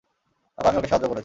আর আমি ওকে সাহায্য করেছি।